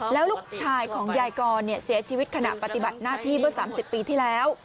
แล้วลูกชายของยายกรเสียชีวิตขณะปฏิบัติหน้าที่เมื่อ๓๐ปีที่แล้ว